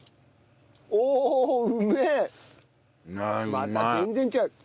また全然違う。